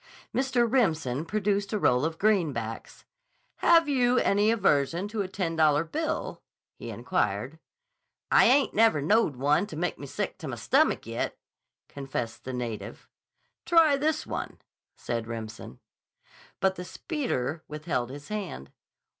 Mr. Remsen produced a roll of greenbacks. "Have you any aversion to a ten dollar bill?" he inquired. "I ain't never knowed one teh make me sick t' my stommick yet," confessed the native. "Try this one," said Remsen. But the speeder withheld his hand.